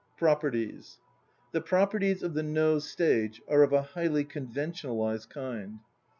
PROPERTIES. The properties of the No stage are of a highly conventionalized kind.